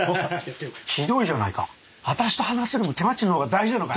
ひどいじゃないか私と話すよりも手間賃のほうが大事なのかい？